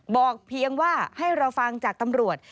เพียงว่าให้เราฟังจากตำรวจ